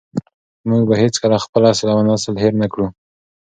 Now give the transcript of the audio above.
موږ به هېڅکله خپل اصل او نسل هېر نه کړو.